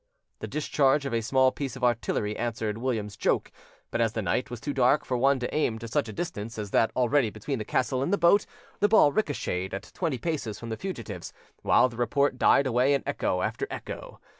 The discharge of a small piece of artillery answered William's joke; but as the night was too dark for one to aim to such a distance as that already between the castle and the boat, the ball ricochetted at twenty paces from the fugitives, while the report died away in echo after echo.